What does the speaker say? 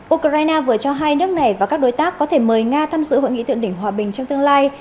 ukraine vừa cho hai nước này và các đối tác có thể mời nga tham dự hội nghị thượng đỉnh hòa bình trong tương lai